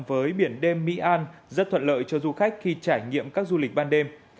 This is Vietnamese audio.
với biển đêm mỹ an rất thuận lợi cho du khách khi trải nghiệm các du lịch ban đêm